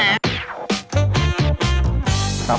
ใช่ครับ